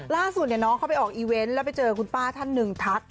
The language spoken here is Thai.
ล่าสุดน้องเขาไปออกอีเวนต์แล้วไปเจอคุณป้าท่านหนึ่งทัก